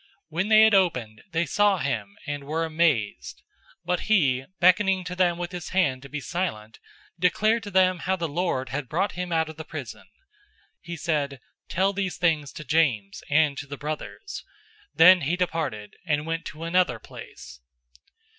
When they had opened, they saw him, and were amazed. 012:017 But he, beckoning to them with his hand to be silent, declared to them how the Lord had brought him out of the prison. He said, "Tell these things to James, and to the brothers." Then he departed, and went to another place.